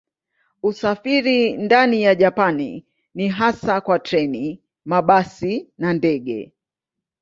Usafiri ndani ya Japani ni hasa kwa treni, mabasi na ndege.